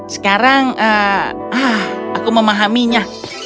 sekarang aku memahaminya